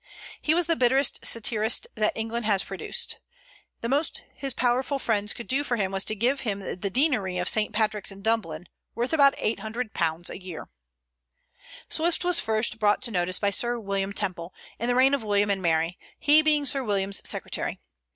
He was the bitterest satirist that England has produced. The most his powerful friends could do for him was to give him the deanery of St. Patrick's in Dublin, worth about £800 a year. Swift was first brought to notice by Sir William Temple, in the reign of William and Mary, he being Sir William's secretary.